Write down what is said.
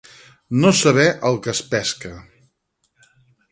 No saber el que es pesca.